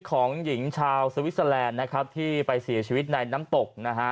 ของหญิงชาวสวิสเตอร์แลนด์นะครับที่ไปเสียชีวิตในน้ำตกนะฮะ